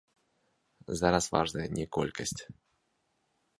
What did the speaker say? Зараз важная не колькасць.